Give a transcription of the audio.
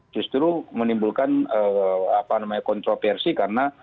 justru menimbulkan kontroversi karena